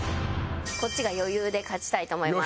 こっちが余裕で勝ちたいと思います。